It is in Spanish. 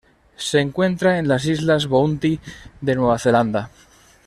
Se encuentra en las Islas Bounty de Nueva Zelanda.